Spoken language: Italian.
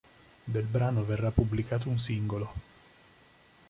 Del brano verrà pubblicato un singolo.